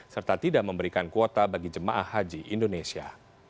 serta tidak memberikan kuota bagi jemaah haji indonesia